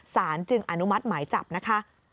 สารจึงอนุมัติหมายจับนะคะ